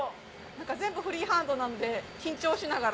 全部フリーハンドなんで緊張しながら。